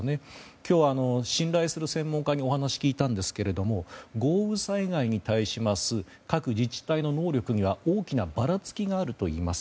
今日、信頼する専門家にお話を聞いたんですが豪雨災害に対する各自治体の能力には大きなばらつきがあるといいます。